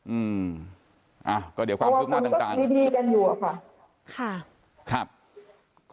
อืมอ่าก็เดี๋ยวความคุ้มหน้าต่างเพราะว่ากูก็ดีกันอยู่อ่ะค่ะค่ะ